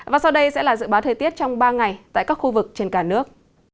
và sau đây sẽ là dự báo thời tiết trong ba ngày tại các khu vực trên cả nước